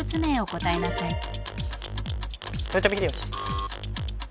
豊臣秀吉。